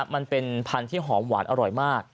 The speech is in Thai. มันเป็นพันธุ์ที่หอมหวานอร่อยมาก